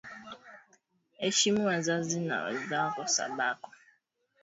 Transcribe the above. Heshimu wa zazi wa mwenzako sa bako